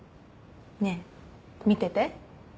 ねえ見てて。